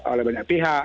oleh banyak pihak